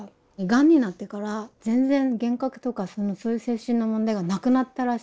がんになってから全然幻覚とかそのそういう精神の問題がなくなったらしいんですよ。